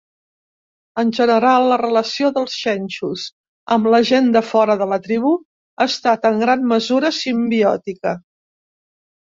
En general, la relació dels xenxus amb la gent de fora de la tribu ha estat en gran mesura simbiòtica.